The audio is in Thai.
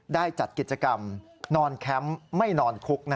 ได้จัดกิจกรรมนอนแคมป์ไม่นอนคุก